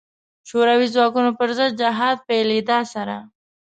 شوروي ځواکونو پر ضد جهاد پیلېدا سره.